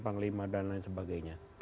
panglima dan lain sebagainya